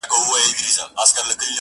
راځه رحچيږه بيا په قهر راته جام دی پير.